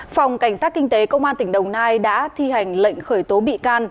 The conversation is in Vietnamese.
phòng cảnh sát kinh tế công an tỉnh đồng nai đã thi hành lệnh khởi tố bị can